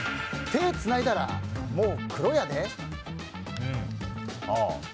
「手ぇつないだらもう黒やで」。